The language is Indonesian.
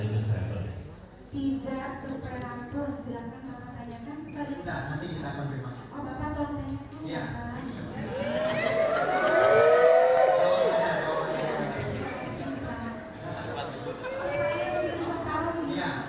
silahkan tadi bukit bukit tansi mau diperlihatkan